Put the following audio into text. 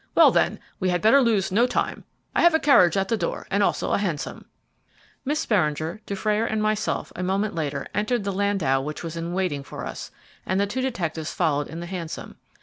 "Well, then, we had better lose no time. I have a carriage at the door, and also a hansom." Miss Beringer, Dufrayer, and myself a moment later entered the landau which was in waiting for us, and the two detectives followed in the hansom.